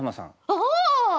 ああ！